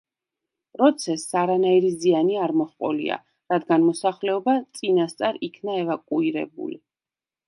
პროცესს არანაირი ზიანი არ მოჰყოლია, რადგან მოსახლეობა წინასწარ იქნა ევაკუირებული.